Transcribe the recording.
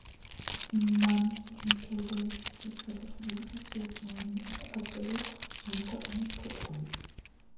მამის, მიქელ დავითის ძის, გარდაცვალებისას მცირეწლოვანი იყო და ფაქტობრივად მხოლოდ სამეფო დომენს ფლობდა.